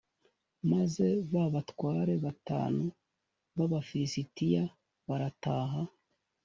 maze ba batware batanu b’abafilisitiya barataha